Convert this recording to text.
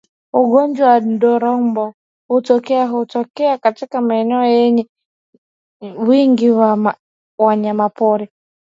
Ugonjwa wa ndorobo hutokea hutokea katika maeneo yenye wingi wa wanyamapori